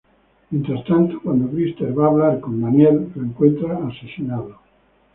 Mientras tanto cuando Christer va a hablar con Daniel, lo encuentra asesinado.